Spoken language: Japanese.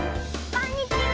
こんにちは。